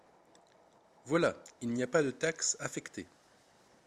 Voilà ! Il n’y a pas de taxes affectées.